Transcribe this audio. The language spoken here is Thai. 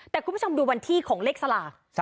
แต่คุณผู้ชมดูวันที่ของเลขสลาก